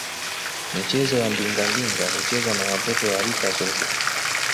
Mchezo wa Mbingambinga huchezwa na watoto wa rika zote